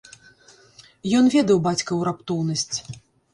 Ён ведаў бацькаву раптоўнасць.